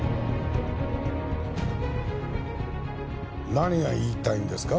何が言いたいんですか？